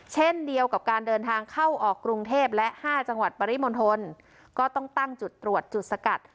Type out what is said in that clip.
เช่นเดียวกับการเดินทางเข้าออกกรุงเทพและ๕จังหวัดปริมณฑลก็ต้องตั้งจุดตรวจจุดสกัด